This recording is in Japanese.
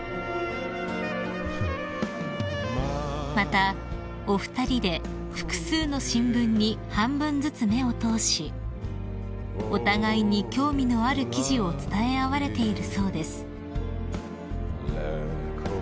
［またお二人で複数の新聞に半分ずつ目を通しお互いに興味のある記事を伝え合われているそうです］